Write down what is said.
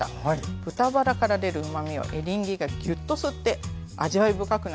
豚バラから出るうまみをエリンギがギュッと吸って味わい深くなります。